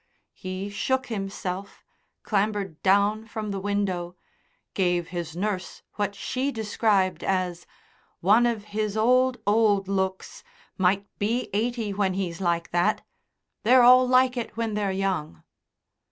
He shook himself, clambered down from the window, gave his nurse what she described as "One of his old, old looks. Might be eighty when he's like that.... They're all like it when they're young."